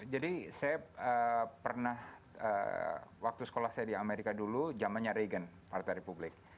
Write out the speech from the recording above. jadi saya pernah waktu sekolah saya di amerika dulu jamanya reagan partai republik